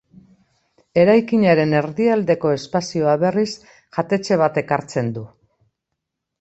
Eraikinaren erdialdeko espazioa, berriz, jatetxe batek hartzen du.